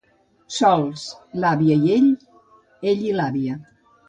Sols, l'àvia i ell, ell i l'àvia.